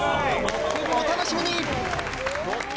お楽しみに！